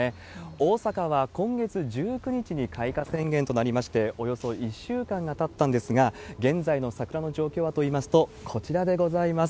大阪は今月１９日に開花宣言となりまして、およそ１週間がたったんですが、現在の桜の状況はといいますと、こちらでございます。